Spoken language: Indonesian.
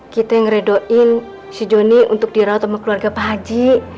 kita yang ngeredoin si joni untuk dirawat sama keluarga pak haji